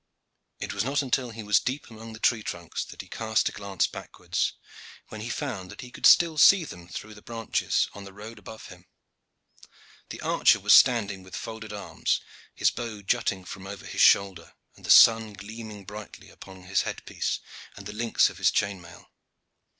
It was not until he was deep among the tree trunks that he cast a glance backwards, when he found that he could still see them through the branches on the road above him. The archer was standing with folded arms, his bow jutting from over his shoulder, and the sun gleaming brightly upon his head piece and the links of his chain mail.